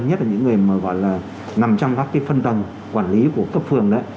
nhất là những người mà gọi là nằm trong các cái phân tầng quản lý của cấp phường đấy